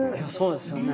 そうですよね。